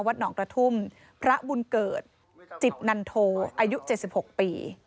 วัดหนองกระทุ่มพระบุญเกิดจิตนันโทอายุเจ็ดสิบหกปี